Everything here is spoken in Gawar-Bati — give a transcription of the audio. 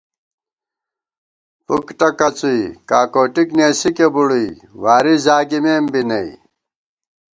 فُک ٹکَڅُوئی، کا کوٹِک نېسِکےبُڑُوئی واری زاگِمېم بی نئ